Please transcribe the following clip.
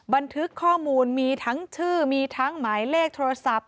บันทึกข้อมูลมีทั้งชื่อมีทั้งหมายเลขโทรศัพท์